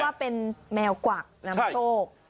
ว่าเป็นแมวกวักนำโชค